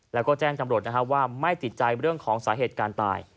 แล้วก็แจ้งจำรวจว่าไม่ติดใจเรื่องของสาเหตุการณ์ตาย